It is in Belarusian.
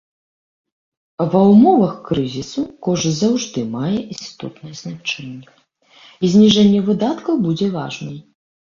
Ва ўмовах крызісу кошт заўжды мае істотнае значэнне, і зніжэнне выдаткаў будзе важным.